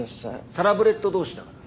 サラブレッド同士だから。